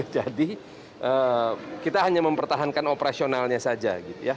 jadi kita hanya mempertahankan operasionalnya saja